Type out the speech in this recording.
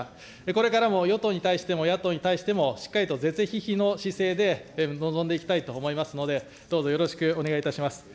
これからも与党に対しても、野党に対しても、しっかりと是々非々の姿勢で臨んでいきたいと思いますので、どうぞよろしくお願いいたします。